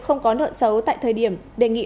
không có nợ xấu tại thời điểm đề nghị